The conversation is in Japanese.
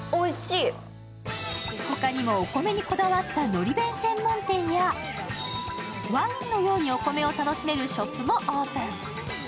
ほかにもお米にこだわったのり弁専門店やワインのようにお米を楽しめるショップもオープン。